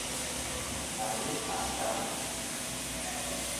A ghɨ ankaŋ teyn.